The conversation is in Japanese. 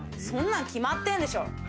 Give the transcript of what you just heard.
そんなん決まってるでしょ！